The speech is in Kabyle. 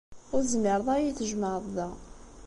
Ur tezmireḍ ara ad iyi-tjemɛeḍ da.